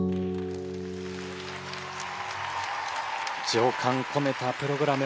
情感込めたプログラム。